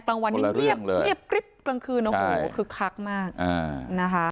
กลางวันนี้เยียบกลางคืนโอ้โหคือคลักมากนะคะ